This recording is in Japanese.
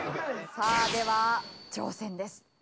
さあでは挑戦です。